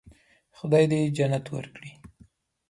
خدای دې جنت ورکړي.